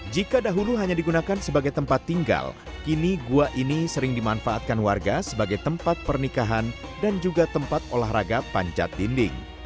jika dahulu hanya digunakan sebagai tempat tinggal kini gua ini sering dimanfaatkan warga sebagai tempat pernikahan dan juga tempat olahraga panjat dinding